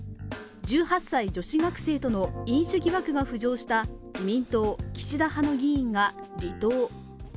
１８歳女子学生との飲酒疑惑が浮上した自民党・岸田派の議員が離党。